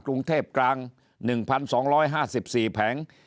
กรุงเทพกลาง๑๒๕๔แผง